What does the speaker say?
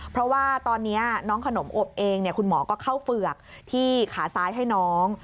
เพราะว่าตอนนี้น้องขนมอบเองคุณหมอก็เข้าเฝือกที่ขาซ้ายให้น้อง